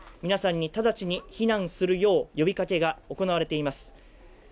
皆さんに直ちに避難するよう呼びかけが行われています。